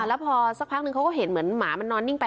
แล้วพอสักพักนึงเขาก็เห็นเหมือนหมามันนอนนิ่งไป